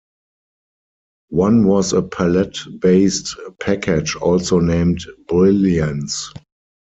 One was a palette-based package also named "Brilliance".